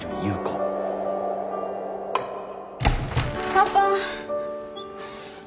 パパ！